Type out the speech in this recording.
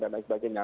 dan lain sebagainya